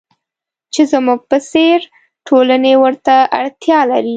چې زموږ په څېر ټولنې ورته اړتیا لري.